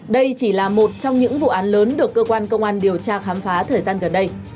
đây chỉ là một trong những vụ án lớn được cơ quan công an điều tra khám phá thời gian gần đây